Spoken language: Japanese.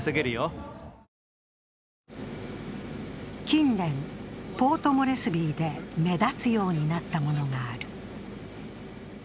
近年、ポートモレスビーで目立つようになったものがある。